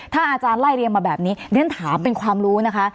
ถ้าอาจารย์ไล่เรียงมาแบบนี้เรียนถามเป็นความรู้นะคะ